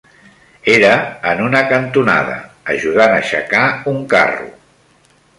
Era en una cantonada, ajudant a aixecar un carro